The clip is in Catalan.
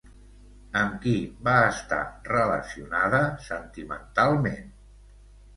Amb qui va estar relacionada sentimentalment?